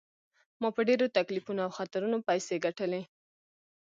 ما په ډیرو تکلیفونو او خطرونو پیسې ګټلي.